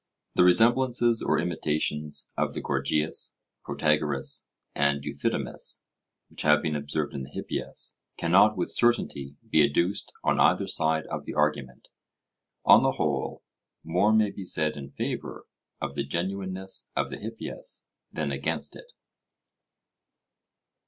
The resemblances or imitations of the Gorgias, Protagoras, and Euthydemus, which have been observed in the Hippias, cannot with certainty be adduced on either side of the argument. On the whole, more may be said in favour of the genuineness of the Hippias than against it.